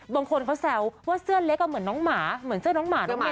บางคนเขาแซวว่าเสื้อเล็กเหมือนน้องหมาเหมือนเสื้อน้องหมาน้องหมา